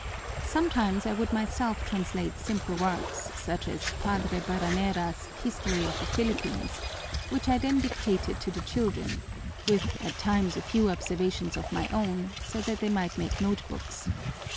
Sometimes I would myself translate simple works, such as Padre Barranera's History of the Philippines, which I then dictated to the children, with at times a few observations of my own, so that they might make note books.